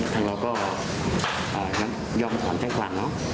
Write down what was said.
แล้วก็ยอมขอแจ้งขวามเนอะ